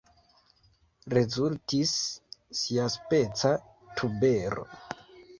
Rezultis siaspeca tubero.